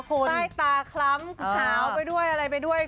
คุณแต้ตาคล้ำของเขาไปด้วยอะไรไปด้วย